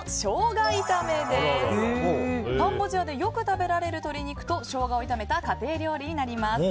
カンボジアでよく食べられる鶏肉とショウガを炒めた家庭料理です。